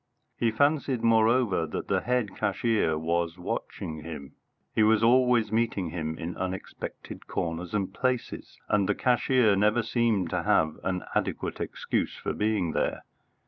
He fancied, moreover, that the head cashier was watching him. He was always meeting him in unexpected corners and places, and the cashier never seemed to have an adequate excuse for being there.